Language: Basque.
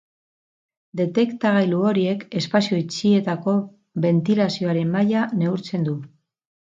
Detektagailu horiek espazio itxietako bentilazioaren maila neurtzen du.